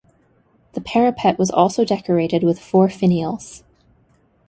The parapet was also decorated with four finials.